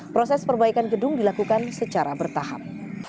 proses perbaikan gedung dilakukan secara bertahap